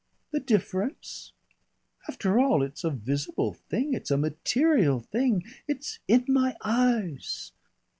The difference? After all, it's a visible thing, it's a material thing! It's in my eyes.